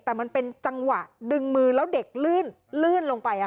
แต่มันเป็นจังหวะดึงมือแล้วเด็กลื่นลื่นลงไป